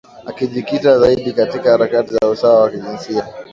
Akijikita zaidi katika harakati za usawa wa kijinsia